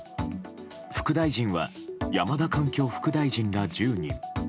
副大臣は山田環境副大臣ら１０人。